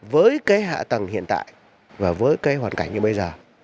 với cái hạ tầng hiện tại và với cái hoàn cảnh như bây giờ